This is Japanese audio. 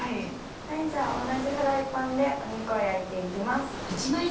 じゃあ同じフライパンで肉を焼いて行きます。